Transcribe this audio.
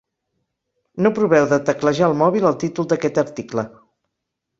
No proveu de teclejar al mòbil el títol d'aquest article.